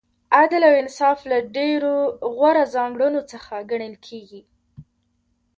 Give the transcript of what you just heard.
عدل او انصاف له ډېرو غوره ځانګړنو څخه ګڼل کیږي.